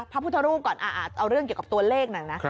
พระพุทธรูปก่อนเอาเรื่องเกี่ยวกับตัวเลขหน่อยนะ